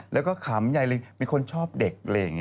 แล้วก็ขำใหญ่มีคนชอบเด็ก